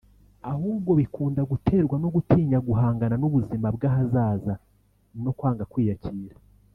ahubwo bikunda guterwa no gutinya guhangana n’ubuzima bw’ahazaza no kwanga kwiyakira